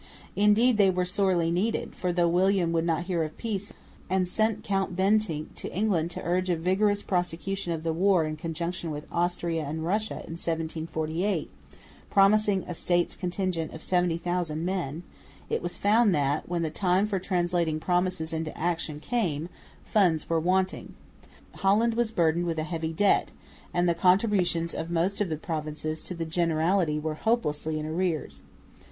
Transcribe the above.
Indeed they were sorely needed, for though William would not hear of peace and sent Count Bentinck to England to urge a vigorous prosecution of the war in conjunction with Austria and Russia in 1748, promising a States contingent of 70,000 men, it was found that, when the time for translating promises into action came, funds were wanting. Holland was burdened with a heavy debt; and the contributions of most of the provinces to the Generality were hopelessly in arrears.